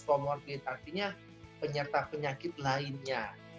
komorbitas artinya penyertaan penyakit lainnya